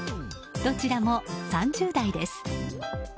どちらも３０代です。